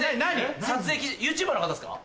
ＹｏｕＴｕｂｅｒの方ですか？